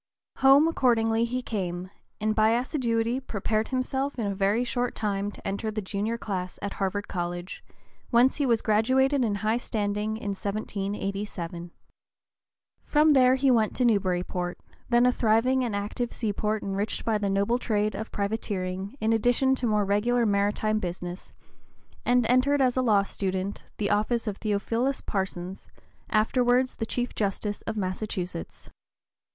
Home accordingly he came, and by assiduity prepared himself in a very short time to enter the junior class at Harvard College, whence he was graduated in high standing in 1787. From there he went to Newburyport, then a thriving and active seaport enriched by the noble trade of privateering in addition to more regular maritime business, and entered as a law student the office of Theophilus Parsons, afterwards the Chief Justice of Massachusetts.